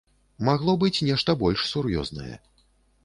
Магло быць нешта больш сур'ёзнае.